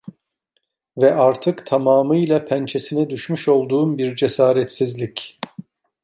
Ve artık tamamıyla pençesine düşmüş olduğum bir cesaretsizlik.